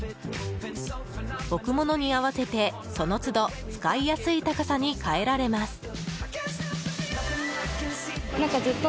置くものに合わせて、その都度使いやすい高さに変えられます。